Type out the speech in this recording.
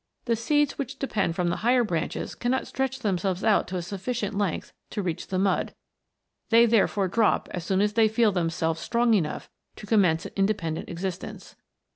The seeds which depend from the higher branches cannot stretch themselves out to a sufficient length to reach the mud ; they therefore drop as soon as they feel themselves strong enough to commence an independent existence.